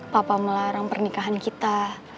papa melarang pernikahan kita